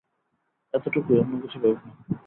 এতটুকুই, অন্যকিছু ভেবো না।